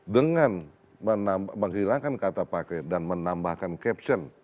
dengan menghilangkan kata pakai dan menambahkan caption